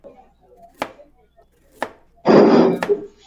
Kufikia mwaka elfu moja mia tisa kumi na mbili